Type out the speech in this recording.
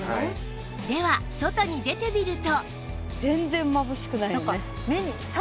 では外に出てみると